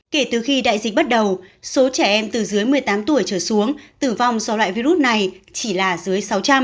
kể từ khi đại dịch bắt đầu số trẻ em từ dưới một mươi tám tuổi trở xuống tử vong do loại virus này chỉ là dưới sáu trăm linh